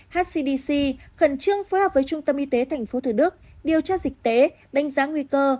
hcdc khẩn trương phối hợp với trung tâm y tế tp thủ đức điều tra dịch tễ đánh giá nguy cơ